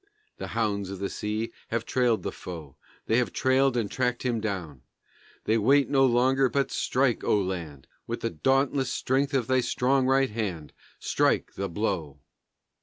The hounds of the sea Have trailed the foe, They have trailed and tracked him down, Then wait no longer, but strike, O land, With the dauntless strength of thy strong right hand, Strike the blow!